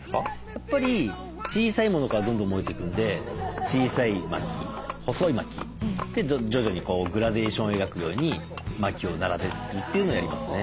やっぱり小さいものからどんどん燃えていくんで小さい薪細い薪で徐々にグラデーションを描くように薪を並べるっていうのをやりますね。